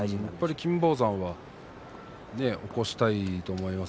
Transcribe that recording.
金峰山は起こしたいと思います。